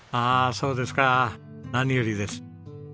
そうですか。何よりです。